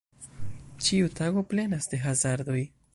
Ĉiu tago plenas de hazardoj.